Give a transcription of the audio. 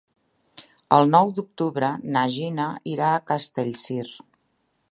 El nou d'octubre na Gina irà a Castellcir.